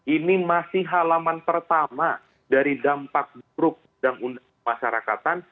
ini masih halaman pertama dari dampak buruk undang undang pemasarakatan